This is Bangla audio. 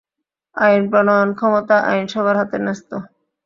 আইন প্রণয়ন ক্ষমতা আইনসভার হাতে ন্যস্ত।